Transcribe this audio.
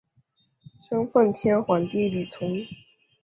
生奉天皇帝李琮。